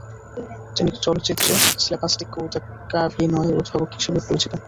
তিনি চলচ্চিত্রে স্ল্যাপস্টিক কৌতুকাভিনয়ের উদ্ভাবক হিসেবে পরিচিত।